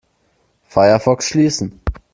Firefox schließen.